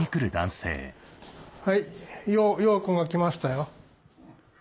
はい洋くんが来ましたよ。